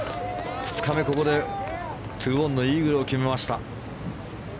２日目、ここで２オンのイーグルを決めました。